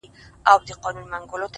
هره ستونزه د پیاوړتیا تمرین دی’